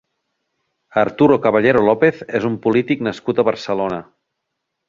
Arturo Caballero Lopez és un polític nascut a Barcelona.